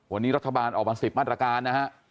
วันนี้รัฐบาลออกมา๑๐มาตรการนะฮะ